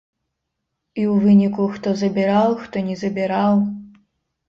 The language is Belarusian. І ў выніку хто забіраў, хто не забіраў.